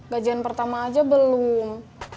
gajian pertama aja belum